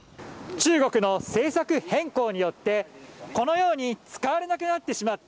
中国の政策変更によってこのように使われなくなってしまった